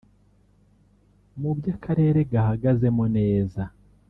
Mu byo Akarere gahagazemo neza